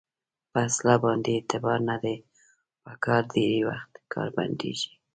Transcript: په اصلحه باندې اعتبار نه دی په کار ډېری وخت کار بندېږي.